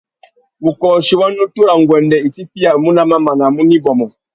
Wukôchi wa nutu râ nguêndê i tifiyamú nà mamana a mú nà ibômô.